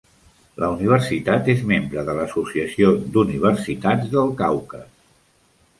La universitat és membre de l'Associació d'Universistats del Caucas.